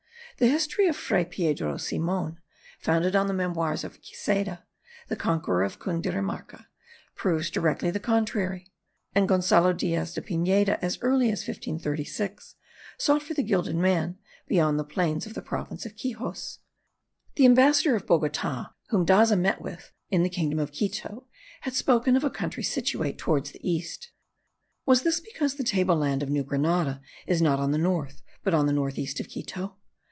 The history of Fray Piedro Simon, founded on the memoirs of Queseda, the conqueror of Cundirumarca, proves directly the contrary; and Gonzalo Diaz de Pineda, as early as 1536, sought for the gilded man beyond the plains of the province of Quixos. The ambassador of Bogota, whom Daza met with in the kingdom of Quito, had spoken of a country situate toward the east. Was this because the table land of New Granada is not on the north, but on the north east of Quito?